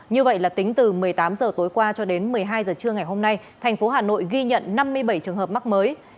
như vậy là tính từ một mươi tám h tối qua cho đến một mươi hai h trưa ngày hôm nay tp hcm ghi nhận năm mươi bảy trường hợp mắc mới